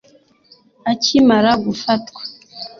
Akimara gufatwa